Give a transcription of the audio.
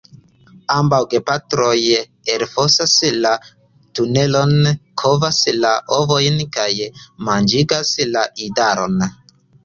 Ambaŭ gepatroj elfosas la tunelon, kovas la ovojn kaj manĝigas la idaron.